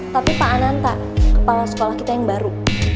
tapi pak ananta kepala sekolah kita yang baru